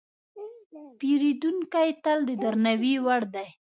پیرودونکی تل د درناوي وړ دی.